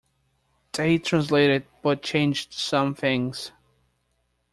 They translated it but changed some things.